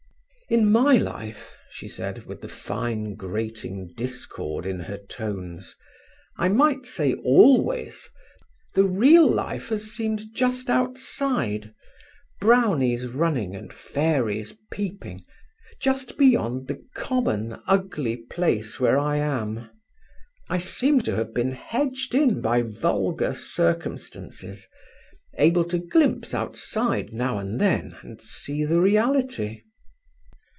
"In my life," she said, with the fine, grating discord in her tones, "I might say always, the real life has seemed just outside—brownies running and fairies peeping—just beyond the common, ugly place where I am. I seem to have been hedged in by vulgar circumstances, able to glimpse outside now and then, and see the reality."